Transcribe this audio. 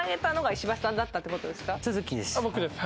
僕です。